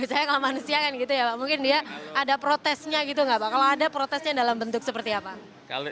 misalnya kalau manusia kan gitu ya pak mungkin dia ada protesnya gitu nggak pak kalau ada protesnya dalam bentuk seperti apa